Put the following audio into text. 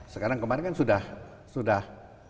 sekarang kemarin kan sudah